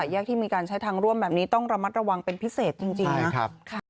แยกที่มีการใช้ทางร่วมแบบนี้ต้องระมัดระวังเป็นพิเศษจริงนะครับ